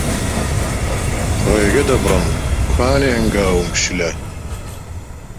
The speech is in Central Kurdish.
ڕێگە دەبڕم، کوانێ هەنگاوم شلە